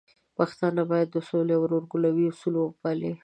پښتانه بايد د سولې او ورورګلوي اصول وپالي.